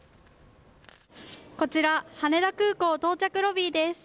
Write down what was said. こちら羽田空港到着ロビーです。